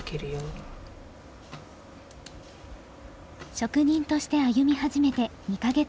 職人として歩み始めて２か月余り。